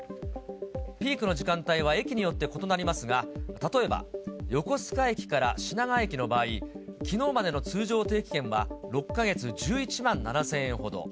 ピークの時間帯は駅によって異なりますが、例えば、横須賀駅から品川駅の場合、きのうまでの通常定期券は６か月１１万７０００円ほど。